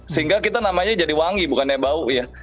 sehingga kita namanya jadi wangi bukannya bau ya